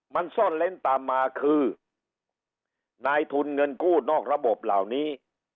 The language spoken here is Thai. มันซ่อนเล้นตามมาคือนายทุนเงินกู้นอกระบบเหล่านี้